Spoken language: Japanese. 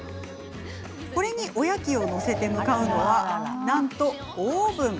これにおやきを載せて向かうのは、なんとオーブン。